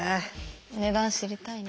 値段知りたいな。